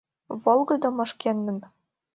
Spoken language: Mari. Волгыдо мо шкендын?